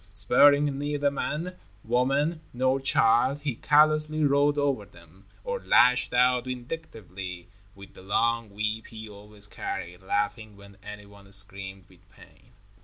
Sparing neither man, woman, nor child, he callously rode over them, or lashed out vindictively with the long whip he always carried, laughing when anyone screamed with pain.